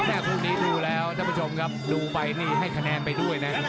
แผนงี้เนี่ยพูดดูแล้วครับท่านผู้ชมกันดูไปดูให้คะแนนไปด้วยแน่นะ